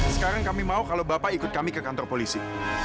sekarang kami mau kalau bapak ikut kami ke kantor polisi